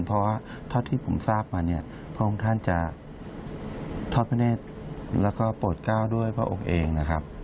เพราะว่าเท่าที่ผมทราบมาเนี่ยพระองค์ท่านจะทอดพระเนธแล้วก็โปรดก้าวด้วยพระองค์เองนะครับ